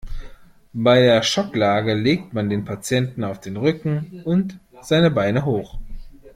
Bei der Schocklage legt man den Patienten auf den Rücken und seine Beine hoch.